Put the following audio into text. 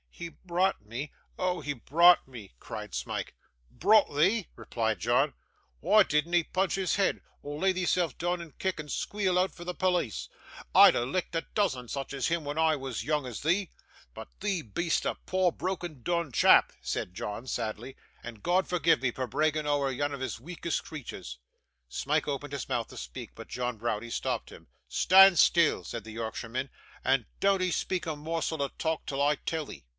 'He brought me; oh! he brought me,' cried Smike. 'Brout thee!' replied John. 'Why didn't 'ee punch his head, or lay theeself doon and kick, and squeal out for the pollis? I'd ha' licked a doozen such as him when I was yoong as thee. But thee be'est a poor broken doon chap,' said John, sadly, 'and God forgi' me for bragging ower yan o' his weakest creeturs!' Smike opened his mouth to speak, but John Browdie stopped him. 'Stan' still,' said the Yorkshireman, 'and doant'ee speak a morsel o' talk till I tell'ee.